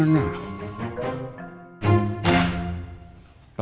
kenyang dari mana